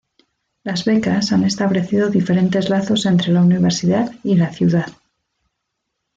Las becas han establecido diferentes lazos entre la universidad y la ciudad.